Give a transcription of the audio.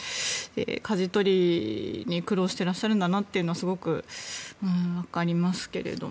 かじ取りに苦労してらっしゃるんだなというのはすごくわかりますけれど。